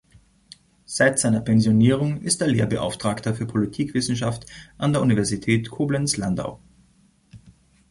Seit seiner Pensionierung ist er Lehrbeauftragter für Politikwissenschaft an der Universität Koblenz-Landau.